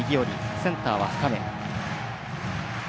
センターは深め。